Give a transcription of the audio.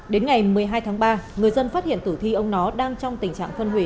đến ngày một mươi hai tháng ba người dân phát hiện tử thi ông nó đang trong tình trạng phân hủy